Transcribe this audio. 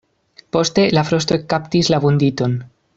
Poste la frosto ekkaptis la vunditon.